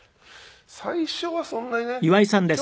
最初はそんなにね。